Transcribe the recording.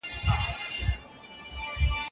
آیا انسان کولای سي له نویو حالاتو سره ځان عیار کړي؟